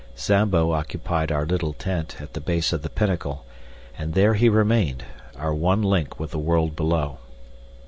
Zambo occupied our little tent at the base of the pinnacle, and there he remained, our one link with the world below.